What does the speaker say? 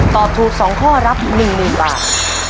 ตอบถูก๒ข้อรับ๑๐๐๐บาท